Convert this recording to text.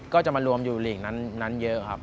ก็จะมารวมอยู่หลีกนั้นเยอะครับ